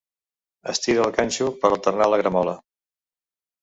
Estira el ganxo per alternar la gramola.